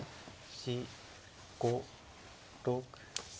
４５６７。